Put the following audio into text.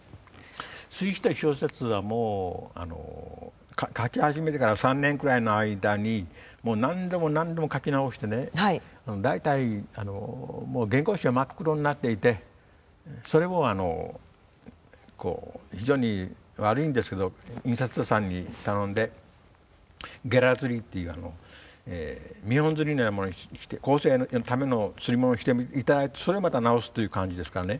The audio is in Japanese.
「水死」という小説はもう書き始めてから３年くらいの間にもう何度も何度も書き直してね大体もう原稿用紙が真っ黒になっていてそれも非常に悪いんですけど印刷屋さんに頼んでゲラ刷りっていう見本刷りのようなものにして校正のための刷り物にしていただいてそれをまた直すという感じですからね